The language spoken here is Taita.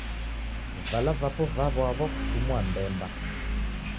Vala vapo vaw'aw'a kuchumua mbemba